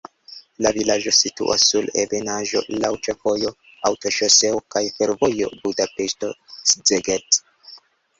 La vilaĝo situas sur ebenaĵo, laŭ ĉefvojo, aŭtoŝoseo kaj fervojo Budapeŝto-Szeged.